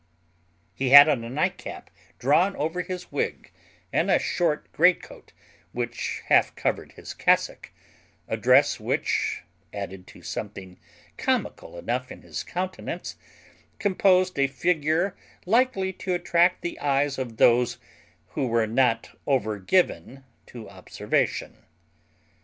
He had on a nightcap drawn over his wig, and a short greatcoat, which half covered his cassock a dress which, added to something comical enough in his countenance, composed a figure likely to attract the eyes of those who were not over given to observation.